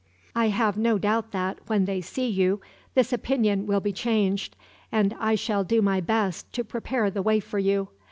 "I have no doubt that, when they see you, this opinion will be changed; and I shall do my best to prepare the way for you.